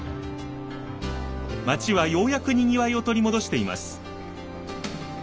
街はようやくにぎわいを取り戻しています。